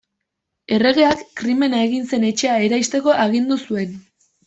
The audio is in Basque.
Erregeak krimena egin zen etxea eraisteko agindu zuen.